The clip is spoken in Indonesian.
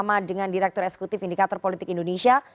dan juga dengan direktur eksekutif indikator politik indonesia